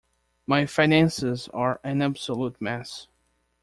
My finances are an absolute mess.